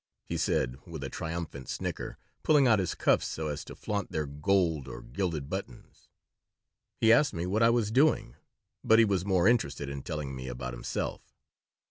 he said, with a triumphant snicker, pulling out his cuffs so as to flaunt their gold or gilded buttons He asked me what I was doing, but he was more interested in telling me about himself.